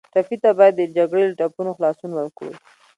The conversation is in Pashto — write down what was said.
ټپي ته باید د جګړې له ټپونو خلاصون ورکړو.